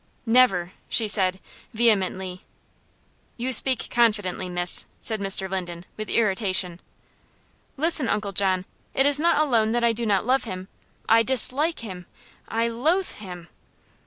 "Never!" she said, vehemently. "You speak confidently, miss," said Mr. Linden, with irritation. "Listen, Uncle John. It is not alone that I do not love him. I dislike him I loathe him."